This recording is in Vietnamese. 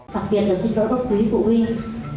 thật biệt là xin lỗi bất quý phụ huynh